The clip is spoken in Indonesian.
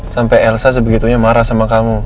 sampai elsa sebegitunya marah sama kamu